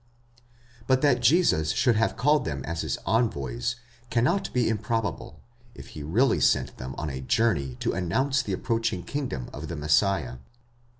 ® But that Jesus should have called them his envoys cannot be improbable, if he really sent them on a journey to announce the approach | ing kingdom of the Messiah.